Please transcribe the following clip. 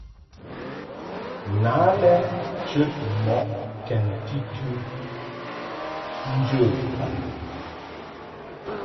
Na lɛ chəd mɔʼ kɛnti tɨ njə baŋ.